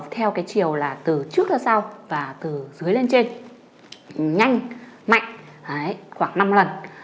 theo cái chiều là từ trước ra sau và từ dưới lên trên nhanh mạnh khoảng năm lần